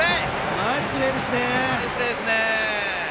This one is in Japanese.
ナイスプレーですね！